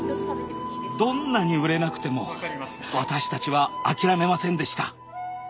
どんなに売れなくても私たちは諦めませんでした。